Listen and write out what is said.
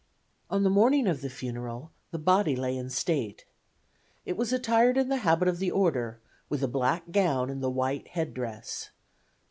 On the morning of the funeral the body lay in state. It was attired in the habit of the order, with a black gown and the white headdress.